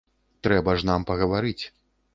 Трэба ж нам пагаварыць.